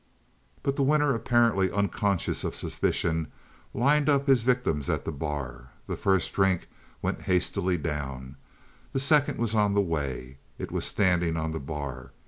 But the winner, apparently unconscious of suspicion, lined up his victims at the bar. The first drink went hastily down; the second was on the way it was standing on the bar.